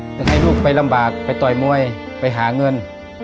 จะให้ลูกไปลำบากไปต่อยมวยไปหาเงิน